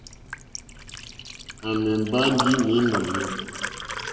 À mɛ̀ mbá ndí nǐ nɔ̀ní.